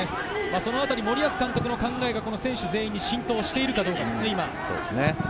森保監督の考えが選手全員に浸透しているかですね。